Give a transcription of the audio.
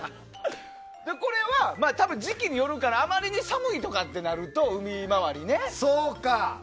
これは、多分時期によるからあまりに寒いとかってなると海周りね。